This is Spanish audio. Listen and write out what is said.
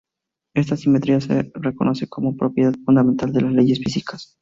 Esta simetría se reconoce como una propiedad fundamental de las leyes físicas.